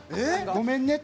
「ごめんね？